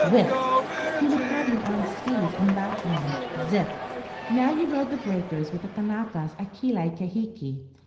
Whiff! He would have you on skis in Lapland. Zip! Now you rode the breakers with the Kanakas at Kealaikahiki.